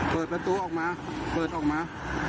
เปิดประตูออกมาเปิดออกมา